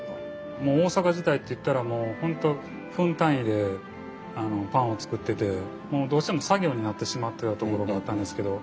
もう大阪時代といったらもう本当分単位でパンを作っててもうどうしても作業になってしまってたところがあったんですけど。